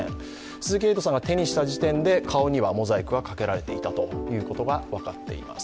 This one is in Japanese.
鈴木エイトさんが手にした時点で顔にはモザイクがかけられていたことが分かっています。